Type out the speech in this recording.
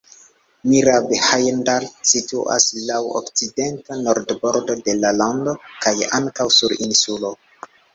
Mira-Bhajandar situas laŭ okcidenta marbordo de la lando kaj ankaŭ sur insulo.